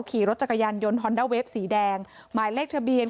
ขี่รถจักรยานยนต์ฮอนด้าเวฟสีแดงหมายเลขทะเบียน